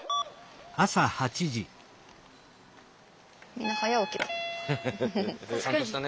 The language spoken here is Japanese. みんな早起きだね。